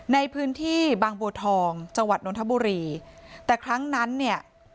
ในพื้นที่บางบัวทองจังหวัดนทบุรีแต่ครั้งนั้นเนี่ย